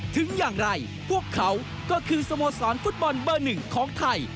ถึงอย่างไรพวกเขาก็คือสโมสรฟุตบอลเบอร์หนึ่งของไทย